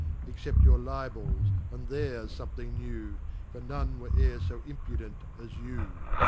Except your Libels, and there's fomething new* For none were ere fo impudent as you.